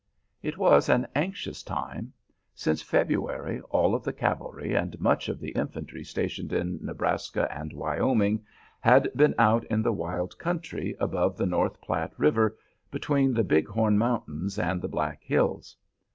It was an anxious time. Since February all of the cavalry and much of the infantry stationed in Nebraska and Wyoming had been out in the wild country above the North Platte River, between the Big Horn Mountains and the Black Hills.